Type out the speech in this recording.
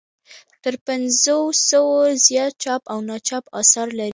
تر پنځو سوو زیات چاپ او ناچاپ اثار لري.